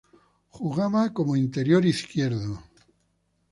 Jugaba como interior izquierdo.